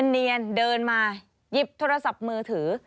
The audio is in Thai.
เนียนเดินมาหยิบโทรศัพท์มือถือ